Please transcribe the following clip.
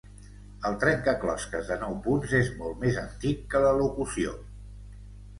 El trencaclosques de nou punts és molt més antic que la locució.